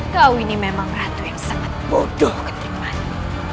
kau ini memang ratu yang sangat bodoh ketimanmu